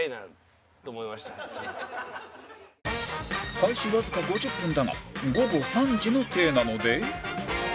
開始わずか５０分だが午後３時の体なので